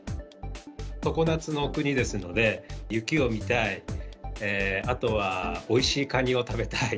常夏の国ですので、雪を見たい、あとは、おいしいカニを食べたい。